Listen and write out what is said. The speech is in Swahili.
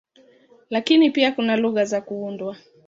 Lakini pia kuna lugha za kuundwa.